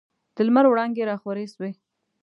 د لمر وړانګي راخورې سوې.